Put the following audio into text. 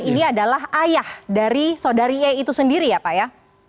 ini adalah ayah dari saudari e itu sendiri ya pak ya